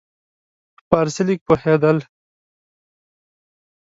په فارسي لږ پوهېدل.